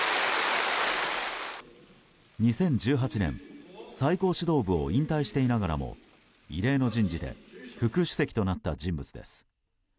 ２０１８年、最高指導部を引退していながらも異例の人事で副主席となった人物です。